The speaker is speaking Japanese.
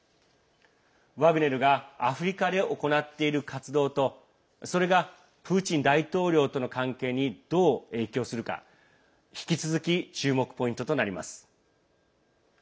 ワグネルがアフリカで行っている活動とそれがプーチン大統領との関係にどう影響するか引き続き注目ポイントとなります。